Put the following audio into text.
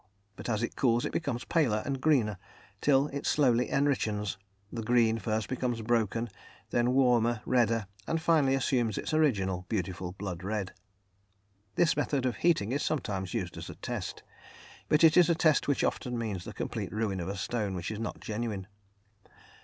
But as it cools it becomes paler and greener, till it slowly enrichens; the green first becomes broken, then warmer, redder, and finally assumes its original beautiful blood red. This method of heating is sometimes used as a test, but it is a test which often means the complete ruin of a stone which is not genuine.